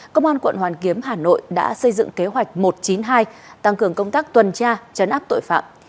công an quận hoàn kiếm hà nội đã xây dựng kế hoạch một trăm chín mươi hai tăng cường công tác tuần tra chấn áp tội phạm